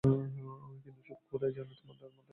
কিন্তু শুধু খোদাই জানেন তুমি তাদের মাথায় কী গোবর ভরেছ।